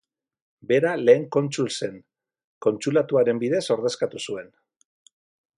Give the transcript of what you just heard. Bera Lehen Kontsul zen Kontsulatuaren bidez ordezkatu zuen.